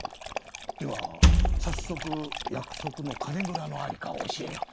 では早速約束の金蔵の在りかを教えよう。